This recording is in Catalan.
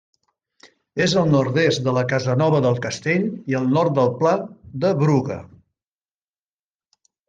És al nord-est de la Casanova del Castell i al nord del Pla de Bruga.